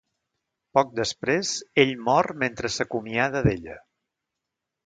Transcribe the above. Poc després, ell mor mentre s'acomiada d'ella.